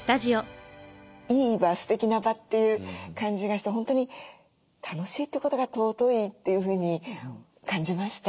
いい場すてきな場っていう感じがして本当に楽しいってことが尊いというふうに感じました。